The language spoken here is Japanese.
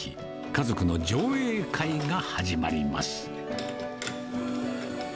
家族の上映会が始まります。